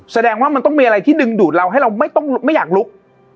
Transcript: แสดงว่ามันต้องมีอะไรที่ดึงดูดเราให้เราไม่อยากลุก